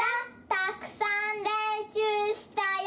たくさんれんしゅうしたよ！